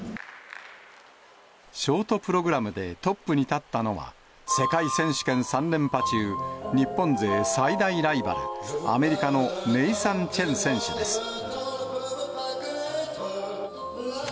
ショートプログラムでトップに立ったのは、世界選手権３連覇中、日本勢最大ライバル、アメリカのネイサン・チェン選手です。